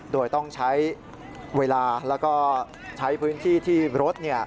โดยใช้เวลาและใช้พื้นที่ที่รถ